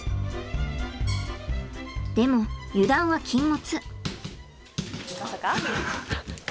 でも油断は禁物。